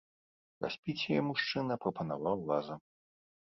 Распіць яе мужчына прапанаваў разам.